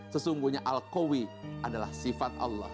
sesungguhnya al qawi adalah sifat allah